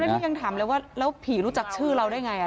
นี่ยังถามเลยว่าแล้วผีรู้จักชื่อเราได้ไง